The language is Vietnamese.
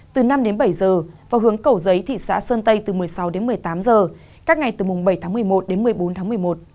từ năm đến bảy giờ và hướng cầu giấy thị xã sơn tây từ một mươi sáu đến một mươi tám giờ các ngày từ mùng bảy tháng một mươi một đến một mươi bốn tháng một mươi một